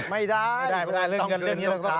ไม่ได้เรื่องนี้ลูกค้า